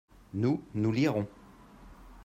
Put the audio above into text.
nous, nous lirons.